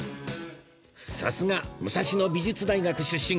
さすが武蔵野美術大学出身！